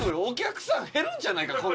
お客さん減るんじゃないか？